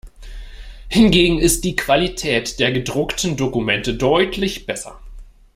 Hingegen ist die Qualität der gedruckten Dokumente deutlich besser.